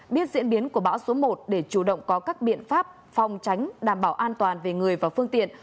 biết diễn biến của bão số một để chủ động có các biện pháp phòng tránh đảm bảo an toàn về người và phương tiện